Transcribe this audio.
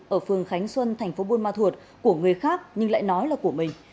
ở phường khánh xuân tp buôn ma thuột của người khác nhưng lại nói là của mình